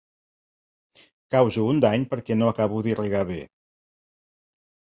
Causo un dany perquè no acabo d'irrigar bé.